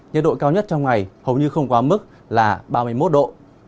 nhiệt độ cao nhất trong ngày hầu như không quá mức là ba mươi một độ